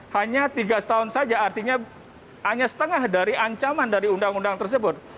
hanya tiga setahun saja artinya hanya setengah dari ancaman dari undang undang tersebut